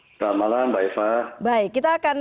selamat malam mbak eva baik kita akan